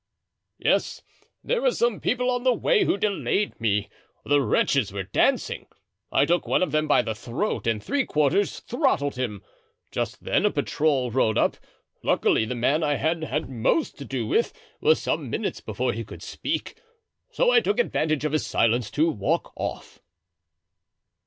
"Yes, there were some people on the way who delayed me. The wretches were dancing. I took one of them by the throat and three quarters throttled him. Just then a patrol rode up. Luckily the man I had had most to do with was some minutes before he could speak, so I took advantage of his silence to walk off."